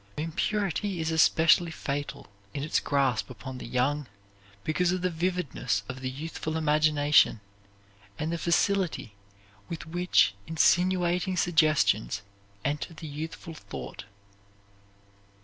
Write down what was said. Impurity is especially fatal in its grip upon the young, because of the vividness of the youthful imagination and the facility with which insinuating suggestions enter the youthful thought.